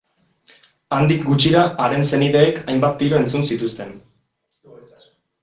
Handik gutxira haren senideek hainbat tiro entzun zituzten.